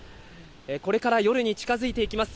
これから夜に近づいていきます。